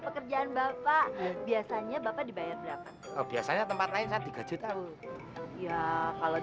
pekerjaan bapak biasanya bapak dibayar berapa oh biasanya tempat lain saat digajet tahu ya kalau